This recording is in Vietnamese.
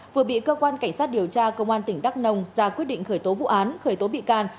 vừa bị cơ quan cảnh sát điều tra công an tỉnh đắk nông ra quyết định khởi tố vụ án khởi tố bị can